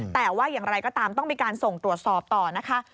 แต่ว่าอย่างไรก็ตามต้องมีการส่งตรวจสอบต่อนะคะ